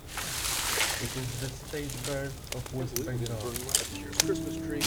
It is the State bird of West Bengal.